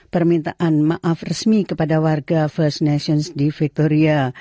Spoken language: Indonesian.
permintaan maaf resmi kepada warga first nations di victoria